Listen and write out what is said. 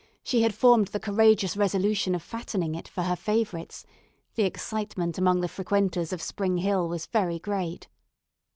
she had formed the courageous resolution of fattening it for her favourites, the excitement among the frequenters of Spring Hill was very great.